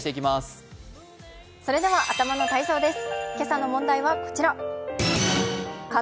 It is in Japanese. それでは頭の体操です。